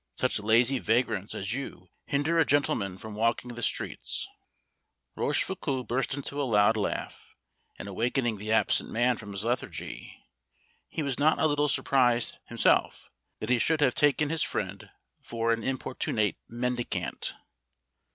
Such lazy vagrants as you hinder a gentleman from walking the streets." Rochefoucault burst into a loud laugh, and awakening the absent man from his lethargy, he was not a little surprised, himself, that he should have taken his friend for an importunate mendicant!